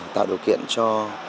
tạo điều kiện cho